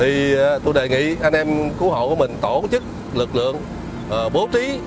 thì tôi đề nghị anh em cứu hộ của mình tổ chức lực lượng bố trí